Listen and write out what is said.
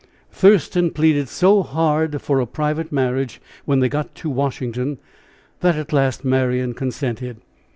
Thurston pleaded so hard for a private marriage when they got to Washington that at last Marian consented.